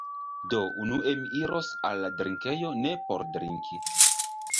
Do, unue mi iros al la drinkejo ne por drinki